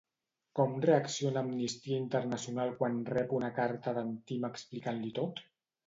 Com reacciona Amnistia Internacional quan rep una carta d'en Tim explicant-li tot?